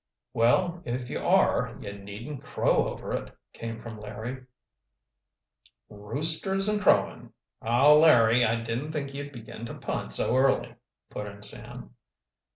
"Well, if you are, you needn't crow over it," came from Larry. "Roosters and crowing! Oh, Larry, I didn't think you'd begin to pun so early," put in Sam.